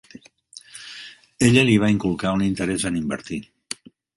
Ella li va inculcar un interès en invertir.